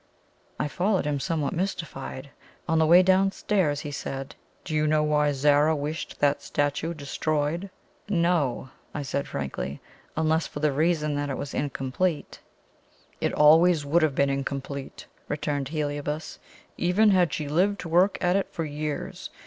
I followed him, somewhat mystified. On the way downstairs he said: "Do you know why Zara wished that statue destroyed?" "No," I said frankly; "unless for the reason that it was incomplete." "It always would have been incomplete," returned Heliobas; "even had she lived to work at it for years.